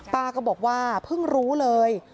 ป้าก็บอกว่าเพิ่งรู้เลย